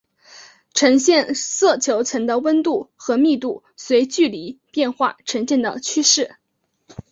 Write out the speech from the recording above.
呈现色球层的温度和密度随距离变化呈现的趋势。